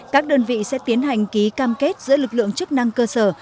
các đơn vị sẽ tiến hành ký cam kết giữa lực lượng chức năng cơ sở